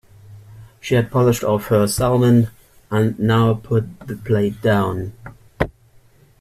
She had polished off her salmon, and now put the plate down.